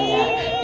iya kok taki